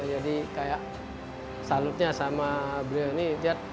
jadi kayak salutnya sama berani